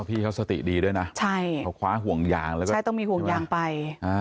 พี่เขาสติดีด้วยนะใช่เขาคว้าห่วงยางแล้วก็ใช่ต้องมีห่วงยางไป